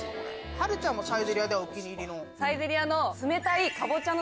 はるちゃんもサイゼリヤではお気に入りが。